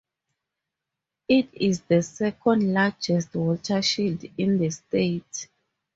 It is the second largest watershed in the state.